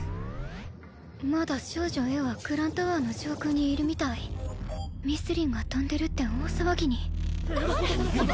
まだ少女Ａはグランタワーの上空にいるみたいミスリンが飛んでるって大騒ぎに・ほらあそこ！